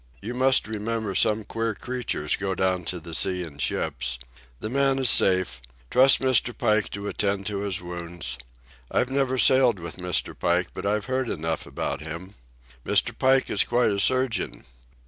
You must remember some queer creatures go down to the sea in ships. The man is safe. Trust Mr. Pike to attend to his wounds. I've never sailed with Mr. Pike, but I've heard enough about him. Mr. Pike is quite a surgeon.